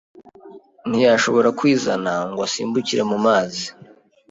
Ntiyashoboraga kwizana ngo asimbukire mu mazi.